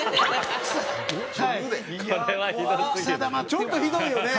ちょっとひどいよね！